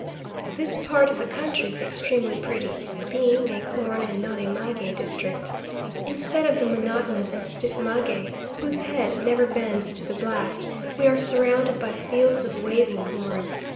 This part of the country is extremely pretty, being a corn and not a maguey district. Instead of the monotonous and stiff maguey, whose head never bends to the blast, we are surrounded by fields of waving corn.